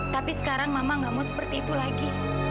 tapi sekarang mama gak mau seperti itu lagi